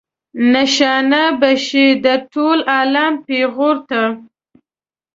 نشانه به شئ د ټول عالم پیغور ته.